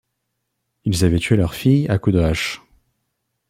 Ils avaient tué leur fille à coups de hache.